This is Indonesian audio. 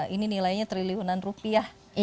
ini nilainya triliunan rupiah